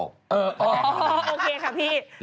โอเคค่ะพี่